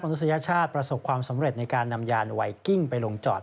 นุษยชาติประสบความสำเร็จในการนำยานไวกิ้งไปลงจอด